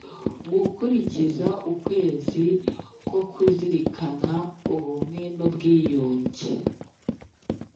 Gutangiza ukwezi ko kuzirikana ubumwe n ubwiyunge